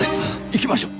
行きましょう。